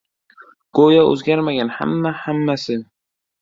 Go‘yo o‘zgarmagan hamma-hammasi.